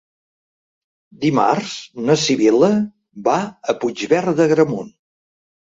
Dimarts na Sibil·la va a Puigverd d'Agramunt.